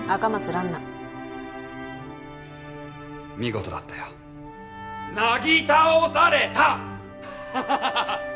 蘭菜見事だったよなぎ倒された！ハハハ